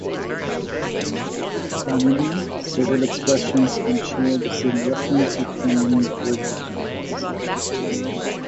Finally, several expressions can share the same reference but can mean very different things.